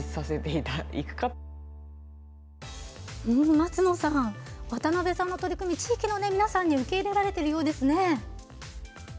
松野さん渡邊さんの取り組み地域の皆さんに受け入れられているようですね。